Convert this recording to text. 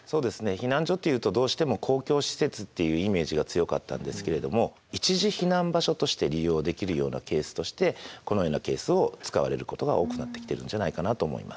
避難所っていうとどうしても公共施設っていうイメージが強かったんですけれども１次避難場所として利用できるようなケースとしてこのようなケースを使われることが多くなってきてるんじゃないかなと思います。